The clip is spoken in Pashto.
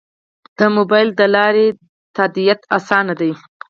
د موبایل له لارې تادیات اسانه دي؟